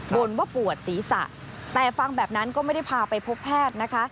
บนว่าปวดศีรษะแต่ฟังแบบนั้นก็ไม่ได้พาไปพบแพทย์นะคะ